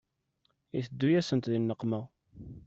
Iteddu-yasent di nneqma.